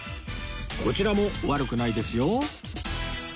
こちらも悪くないですよ